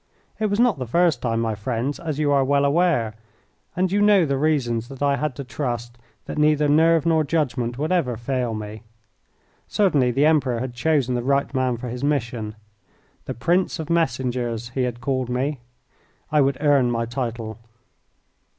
It was not the first time, my friends, as you are well aware, and you know the reasons that I had to trust that neither nerve nor judgment would ever fail me. Certainly, the Emperor had chosen the right man for his mission. "The prince of messengers" he had called me. I would earn my title.